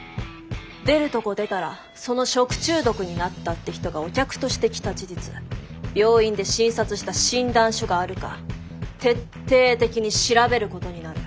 出るとこ出たらその食中毒になったって人がお客として来た事実病院で診察した診断書があるか徹底的に調べることになる。